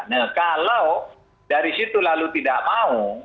nah kalau dari situ lalu tidak mau